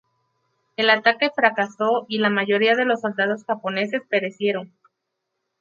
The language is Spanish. El ataque fracasó y la mayoría de los soldados japoneses perecieron.